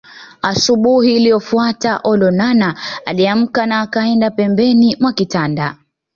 Asubuhi iliyofuata Olonana aliamka na akaenda pembeni mwa kitanda